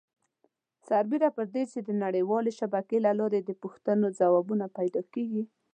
سربیره پر دې د نړۍ والې شبکې له لارې د پوښتنو ځوابونه پیدا کېږي.